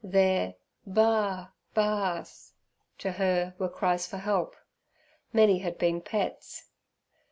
Their "Baa baas" to her were cries for help; many had been pets.